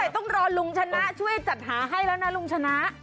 ต้องรอลุงชนะช่วยจัดหาให้แล้วนะลุงชนะ